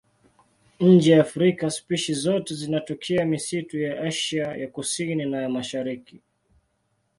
Nje ya Afrika spishi zote zinatokea misitu ya Asia ya Kusini na ya Mashariki.